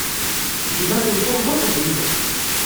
Gma-s n Tom, d ṭṭbib.